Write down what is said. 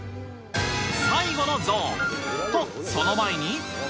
最後のゾーン。と、その前に。